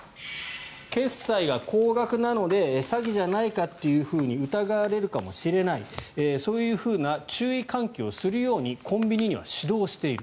決済が高額なので詐欺じゃないかというふうに疑われるかもしれないそういうふうな注意喚起をするようにコンビニには指導している。